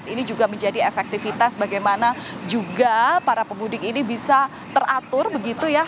ini juga menjadi efektivitas bagaimana juga para pemudik ini bisa teratur begitu ya